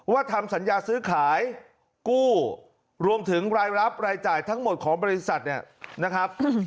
ทำสัญญาซื้อขายกู้รวมถึงรายรับรายจ่ายทั้งหมดของบริษัทเนี่ยนะครับ